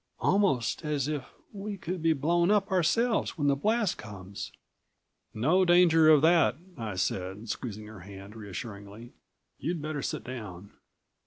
Almost as if ... we could be blown up ourselves when the blast comes." "No danger of that," I said, squeezing her hand reassuringly. "You'd better sit down."